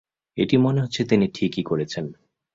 এটি মনে হচ্ছে তিনি ঠিকই করেছেন।